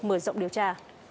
mở rộng điều tra